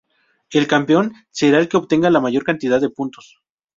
El campeón será el que obtenga la mayor cantidad de puntos.